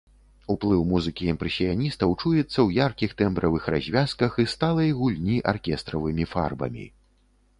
Уплыў музыкі імпрэсіяністаў чуецца ў яркіх тэмбравых развязках і сталай гульні аркестравымі фарбамі.